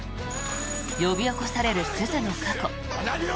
呼び起こされる鈴の過去。